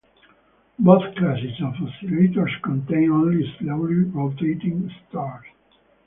Both classes of oscillators contain only slowly-rotating stars.